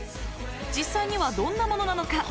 実際には、どんなものなのか。